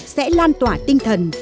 sẽ lan tỏa tinh thần